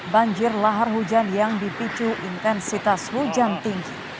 banjir lahar hujan yang dipicu intensitas hujan tinggi